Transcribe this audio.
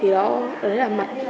đấy là mặt